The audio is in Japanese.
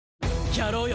やろうよ